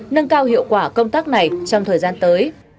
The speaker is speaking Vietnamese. nâng cao hiệu quả công tác này trong thời gian tới